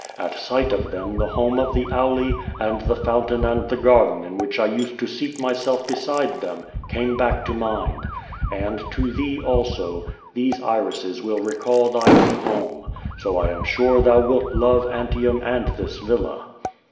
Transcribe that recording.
At sight of them the home of the Auli, and the fountain and the garden in which I usi>d to seat myself beside them, came back to mind. And, to th»*o also, these iri.<es will recall thy own home. So I am sure thou wilt love Antium and this villa.